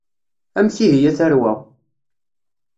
Amek ihi a tarwa?